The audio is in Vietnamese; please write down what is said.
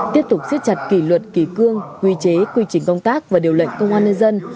tiếp tục xiết chặt kỷ luật kỳ cương quy chế quy trình công tác và điều lệnh công an nhân dân